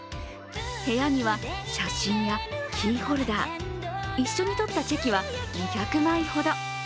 部屋には写真やキーホルダー一緒に撮ったチェキは２００枚ほど。